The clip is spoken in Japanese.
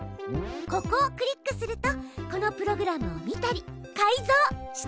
ここをクリックするとこのプログラムを見たり改造したりできるのよ。